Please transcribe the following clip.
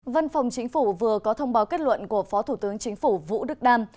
văn phòng chính phủ vừa có thông báo kết luận của phó thủ tướng chính phủ vũ đức đam